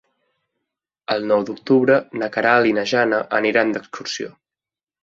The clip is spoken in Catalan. El nou d'octubre na Queralt i na Jana aniran d'excursió.